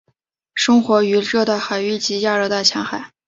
生活于热带海域及亚热带的浅海。